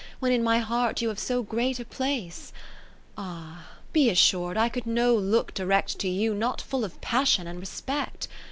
When in my heart you have so great a place ? Ah ! be assur'd I could no look direct To you, not full of passion and respect.